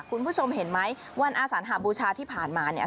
คุณผู้ชมเห็นไหมวันอาสานหบูชาที่ผ่านมาเนี่ย